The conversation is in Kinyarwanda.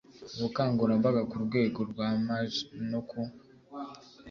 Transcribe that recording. ubukangurambaga ku rwego rwa maj no ku